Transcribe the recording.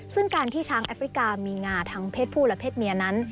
ซึ่งการที่ช้างแอฟริกามีงาทั้งเพศผู้และเพศเมียนั้น